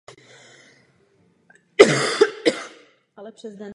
Menší samostatná plošina označená jako Santa Rica byla od hlavní vzdálená několik set metrů.